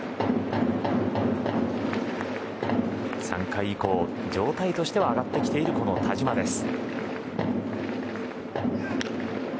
３回以降、状態は上がってきている田嶋です。